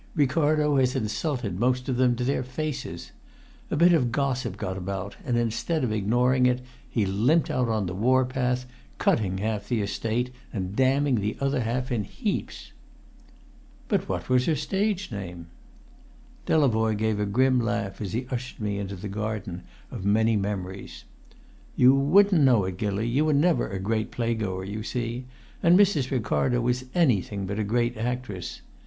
Ricardo has insulted most of them to their faces. A bit of gossip got about, and instead of ignoring it he limped out on the war path, cutting half the Estate and damning the other half in heaps." "But what was her stage name?" Delavoye gave a grim laugh as he ushered me into the garden of many memories. "You wouldn't know it, Gilly. You were never a great playgoer, you see, and Mrs. Ricardo was anything but a great actress.